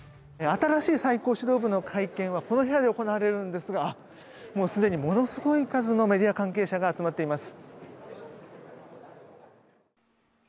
新しい最高指導部の会見はこの部屋で行われるんですがすでにものすごい数のメディア関係者が集まっています。